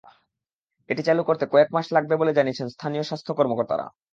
এটি চালু করতে কয়েক মাস লাগবে বলে জানিয়েছেন স্থানীয় স্বাস্থ্য কর্মকর্তারা।